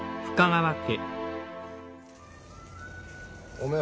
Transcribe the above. おめえ